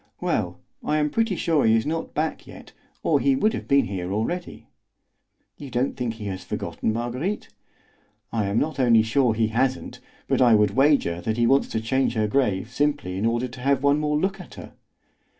"Well, I am pretty sure he is not back yet, or he would have been here already." "You don't think he has forgotten Marguerite?" "I am not only sure he hasn't, but I would wager that he wants to change her grave simply in order to have one more look at her."